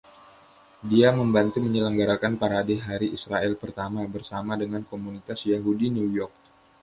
Dia membantu menyelenggarakan Parade Hari Israel pertama, bersama dengan komunitas Yahudi New York.